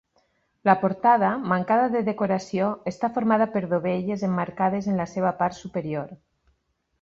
La portada, mancada de decoració, està formada per dovelles emmarcades en la seva part superior.